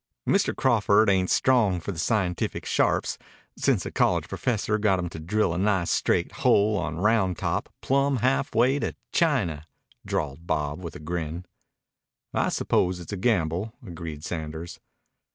"Mr. Crawford ain't strong for the scientific sharps since a college professor got him to drill a nice straight hole on Round Top plumb halfway to China," drawled Bob with a grin. "I suppose it's a gamble," agreed Sanders.